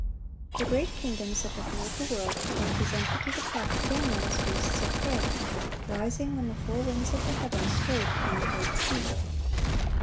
The great kingdoms that have ruled the world were presented to the prophet Daniel as beasts of prey, rising when the "four winds of the heaven strove upon the great sea."